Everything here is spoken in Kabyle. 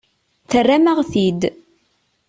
Terram-aɣ-t-id.